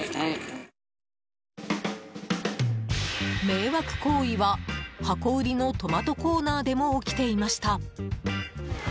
迷惑行為は箱売りのトマトコーナーでも起きていました。